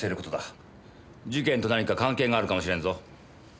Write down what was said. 事件と何か関係があるかもしれんぞ。